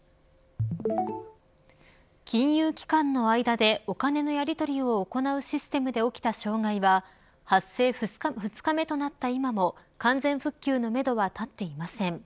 金融機関の間でお金のやりとりを行うシステムで起きた障害は発生２日目となった今も完全復旧のめどは立っていません。